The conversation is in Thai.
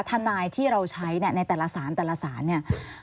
ธนายที่เราใช้ในแต่ละศาลเนี่ย